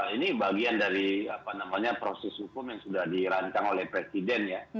ini bagian dari proses hukum yang sudah dirancang oleh presiden ya